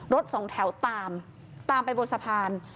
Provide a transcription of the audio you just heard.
สองแถวตามตามไปบนสะพาน